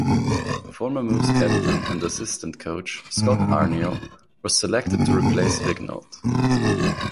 Former Moose captain and assistant coach Scott Arniel was selected to replace Vigneault.